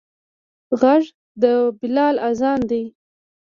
غږ د بلال اذان دی